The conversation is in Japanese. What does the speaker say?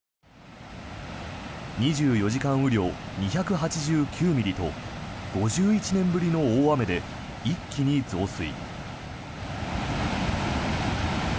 ２４時間雨量２８９ミリと５１年ぶりの大雨で一気に増水。